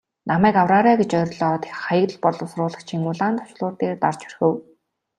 Намайг авраарай гэж орилоод Хаягдал боловсруулагчийн улаан товчлуур дээр дарж орхив.